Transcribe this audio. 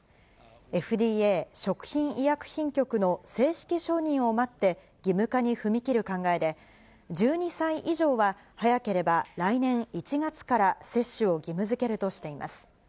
ＦＤＡ・食品医薬品局の正式承認を待って、義務化に踏み切る考えで、１２歳以上は、早ければ来年１月から接種を義務づけるとしています。